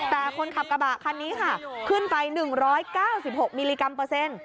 แต่คนขับกระบะคันนี้ค่ะขึ้นไป๑๙๖มิลลิกรัมเปอร์เซ็นต์